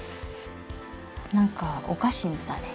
何かお菓子みたい。